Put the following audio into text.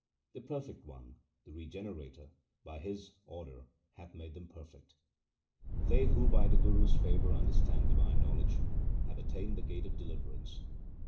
The perfect One, the Regenerator, by His order hath made them perfect. They who by the Guru's favour understand divine knowledge, have attained the gate of deliverance.